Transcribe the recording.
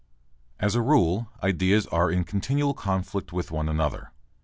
As a rule ideas are in continual conflict with one another.